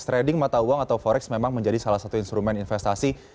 trading mata uang atau forex memang menjadi salah satu instrumen investasi